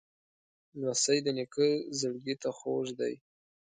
لمسی د نیکه زړګي ته خوږ دی.